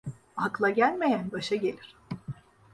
Akla gelmeyen başa gelir.